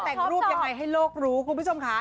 แต่งรูปยังไงให้โลกรู้คุณผู้ชมค่ะ